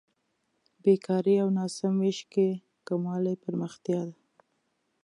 بېکارۍ او ناسم وېش کې کموالی پرمختیا ده.